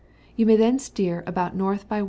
You may then steer about N. by W.